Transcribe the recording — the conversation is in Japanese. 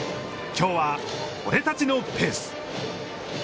きょうは俺たちのペース。